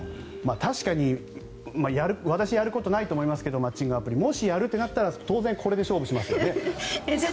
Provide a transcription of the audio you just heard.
確かに私、やることないと思いますがマッチングアプリもしやるとなったら当然、これで勝負しますよね。